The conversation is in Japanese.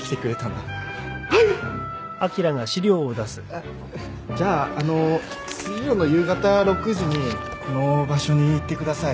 あっじゃああの水曜の夕方６時にこの場所に行ってください。